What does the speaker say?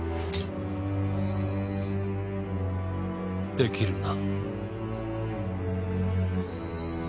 できるな。